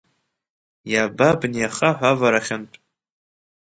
Иаба абни ахаҳә аварахьынтә.